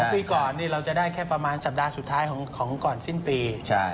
ปีก่อนเราจะได้แค่ประมาณสัปดาห์สุดท้ายของก่อนสิ้นปี